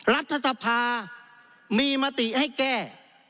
รัฐธรรพามีมติให้แก้